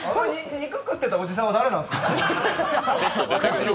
肉食ってたおじさんは誰なんですか？